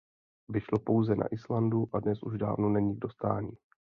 Vyšlo pouze na Islandu a dnes už dávno není k dostání.